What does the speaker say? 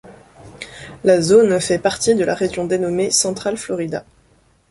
La zone fait partie de la région dénommée Central Florida.